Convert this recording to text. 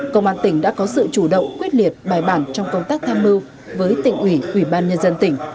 công an tỉnh đã có sự chủ động quyết liệt bài bản trong công tác tham mưu với tỉnh ủy ủy ban nhân dân tỉnh